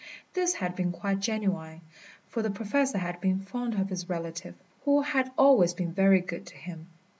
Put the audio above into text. This had been quite genuine, for the Professor had been fond of his relative, who had always been very good to him.